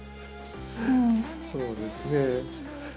そうですね。